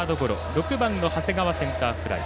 ６番の長谷川、センターフライ。